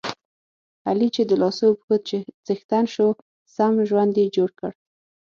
علي چې د لاسو پښو څښتن شو، سم ژوند یې جوړ کړ.